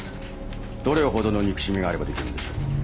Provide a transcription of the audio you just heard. どれほどの憎しみがあればできるんでしょう？